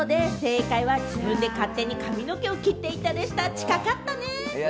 近かったね。